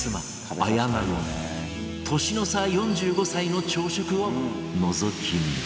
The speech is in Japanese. ４５歳の朝食をのぞき見